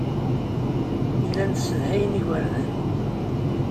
Llan ssedhayen igerdan.